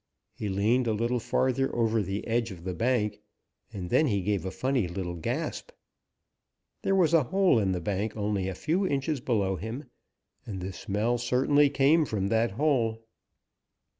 He leaned a little farther over the edge of the bank, and then he gave a funny little gasp. There was a hole in the bank only a few inches below him, and the smell certainly came from that hole.